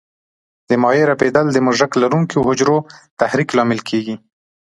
د مایع رپېدل د مژک لرونکو حجرو تحریک لامل کېږي.